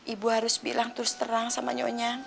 ibu harus bilang terus terang sama nyonya